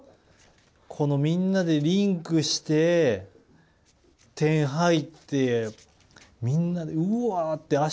このみんなでリンクして点入ってみんなうわ！って